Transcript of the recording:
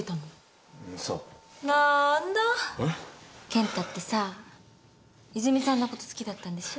健太ってさ泉さんのこと好きだったんでしょ？